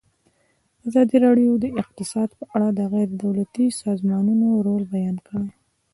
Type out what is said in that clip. ازادي راډیو د اقتصاد په اړه د غیر دولتي سازمانونو رول بیان کړی.